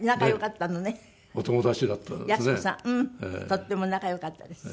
とっても仲良かったです。